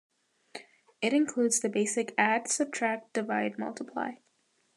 It includes the basic add, subtract, divide, multiply.